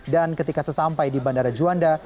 dan ketika sesampai di bandara juanda